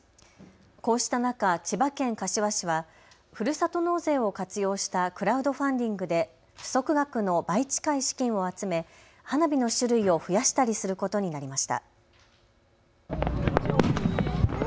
こうした中、千葉県柏市はふるさと納税を活用したクラウドファンディングで不足額の倍近い資金を集め花火の種類を増やしたりすることになりました。